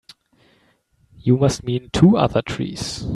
You must mean two other trees.